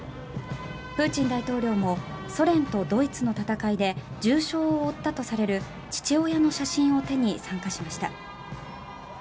プーチン大統領もソ連とドイツの戦いで重傷を負ったとされる父親の写真を手に参加しました。